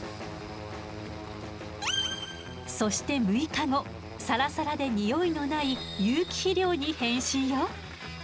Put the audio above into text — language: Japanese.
そして６日後サラサラでニオイのない有機肥料に変身よ。